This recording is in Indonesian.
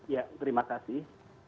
ya terima kasih